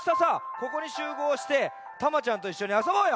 ここにしゅうごうしてタマちゃんといっしょにあそぼうよ！